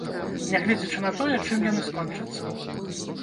Нягледзячы на тое, чым яны скончацца.